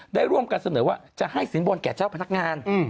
ได้ร่วมกันเสนอว่าจะให้สินบนแก่เจ้าพนักงาน